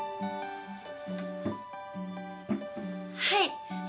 はい。